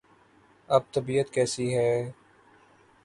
اب طبیعت کیسی ہے؟